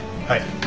はい。